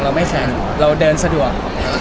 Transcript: เราไม่แซงเราเดินสะดวก